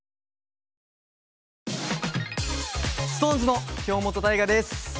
ＳｉｘＴＯＮＥＳの京本大我です。